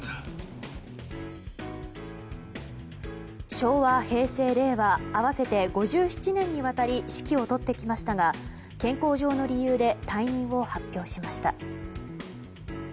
昭和、平成、令和合わせて５７年にわたり指揮を執ってきましたが健康上の理由で退任を発表しました。